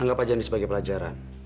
anggap aja ini sebagai pelajaran